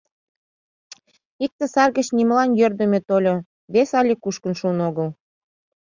Икте сар гыч нимолан йӧрдымӧ тольо, весе але кушкын шуын огыл.